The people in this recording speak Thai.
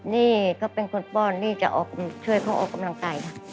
นี่ก็เป็นคนป้อนนี่จะช่วยเขาออกกำลังกายนะ